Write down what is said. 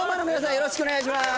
よろしくお願いします